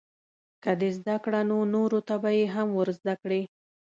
که دې زده کړه نو نورو ته به یې هم ورزده کړې.